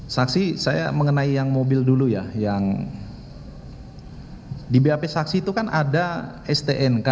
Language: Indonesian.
saksi saya mengenai yang mobil dulu ya yang di bap saksi itu kan ada stnk